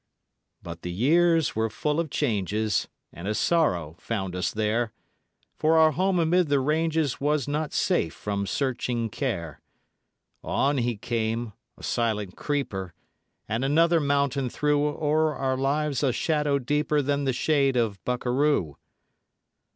But the years were full of changes, And a sorrow found us there; For our home amid the ranges Was not safe from searching Care. On he came, a silent creeper; And another mountain threw O'er our lives a shadow deeper Than the shade of Bukaroo.